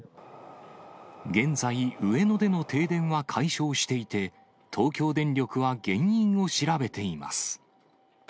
現在、上野での停電は解消していて、東京電力は原因を調べています。